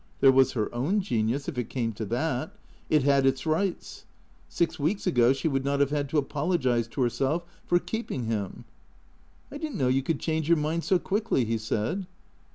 There was her own genius, if it came to that. It had its rights. Six weeks ago she would not have had to apologize to herself for keeping him. " I did n't know you could change your mind so quickly," he said.